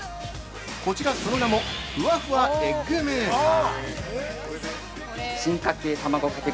こちら、その名もふわふわエッグメーカー。